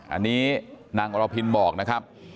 อันนี้นางอรพินบอกนะครับ